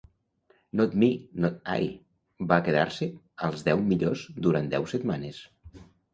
"Not me, not I" va quedar-se als deu millors durant deu setmanes.